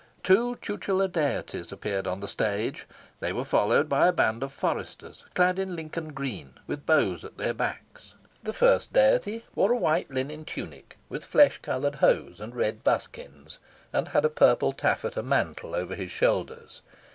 Two tutelar deities appeared on the stage. They were followed by a band of foresters clad in Lincoln green, with bows at their backs. The first deity wore a white linen tunic, with flesh coloured hose and red buskins, and had a purple taffeta mantle over his shoulders.